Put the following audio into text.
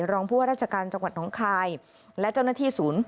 รองผู้ว่าราชการจังหวัดน้องคายและเจ้าหน้าที่ศูนย์